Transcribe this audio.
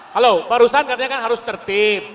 halo barusan katanya kan harus tertib